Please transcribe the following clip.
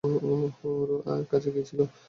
ওর কাছে কী ছিল?